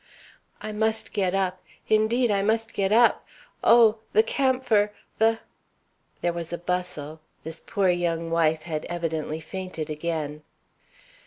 "I must get up; indeed I must get up. Oh! the camphor the " There was a bustle; this poor young wife had evidently fainted again.